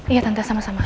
iya tante sama sama